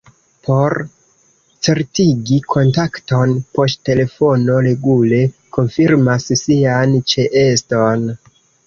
Por certigi kontakton poŝtelefono regule konfirmas sian ĉeeston.